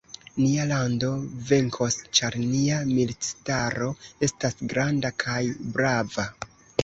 Nia lando venkos, ĉar nia militistaro estas granda kaj brava.